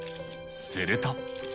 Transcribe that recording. すると。